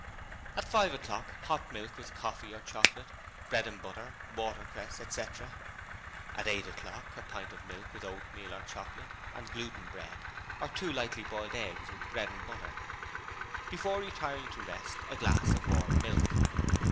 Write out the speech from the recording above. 'At five o'clock: hot milk with coffee or chocolate, bread and butter, watercress, etc. 'At eight o'clock: a pint of milk, with oatmeal or chocolate, and gluten bread, or two lightly boiled eggs with bread and butter. 'Before retiring to rest: a glass of warm milk.